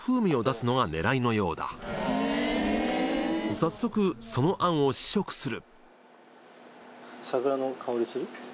早速その餡を試食する。